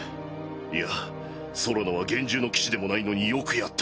いや宙野は幻獣の騎士でもないのによくやった。